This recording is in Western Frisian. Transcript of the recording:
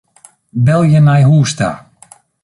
Belje nei hûs ta.